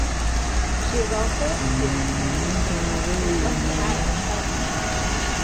She also appeared as Mrs. Rigg in What's the Matter with Helen?